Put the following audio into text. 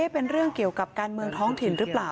เป็นเรื่องเกี่ยวกับการเมืองท้องถิ่นหรือเปล่า